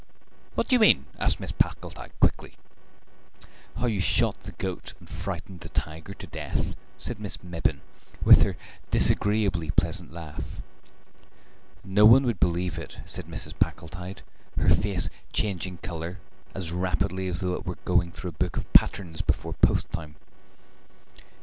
"What do you mean?" asked Mrs. Packletide quickly. "How you shot the goat and frightened the tiger to death," said Miss Mebbin, with her disagreeably pleasant laugh. "No one would believe it," said Mrs. Packletide, her face changing colour as rapidly as though it were going through a book of patterns before post time.